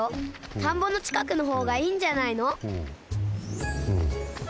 たんぼのちかくのほうがいいんじゃないの？